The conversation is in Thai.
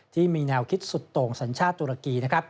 ที่มีแนวคิดสุดตรงสัญชาติตุรกี